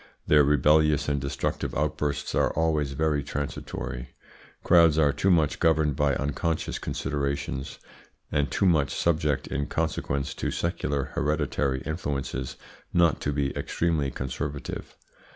Their rebellious and destructive outbursts are always very transitory. Crowds are too much governed by unconscious considerations, and too much subject in consequence to secular hereditary influences not to be extremely conservative.